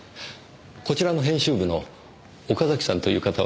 こちらの編集部の岡崎さんという方は？